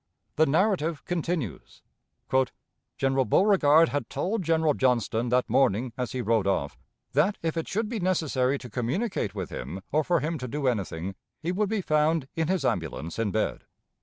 The narrative continues: "General Beauregard had told General Johnston that morning as he rode off, that if it should be necessary to communicate with him or for him to do anything, he would be found in his ambulance in bed.